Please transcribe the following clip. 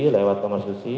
lewat kamarnya susi